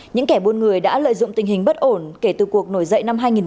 những kẻ buôn người đã lợi dụng tình hình bất ổn kể từ cuộc nổi dậy năm hai nghìn một mươi tám